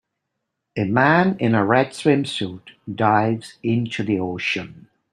A man in a red swimsuit dives into the ocean.